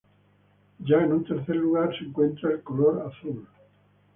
Ya en un tercer lugar se encuentra el color Azul.